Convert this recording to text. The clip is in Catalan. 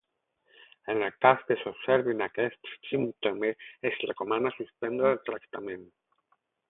En el cas que s'observin aquests símptomes, es recomana suspendre el tractament.